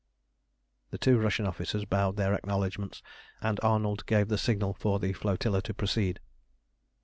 The two Russian officers bowed their acknowledgments, and Arnold gave the signal for the flotilla to proceed.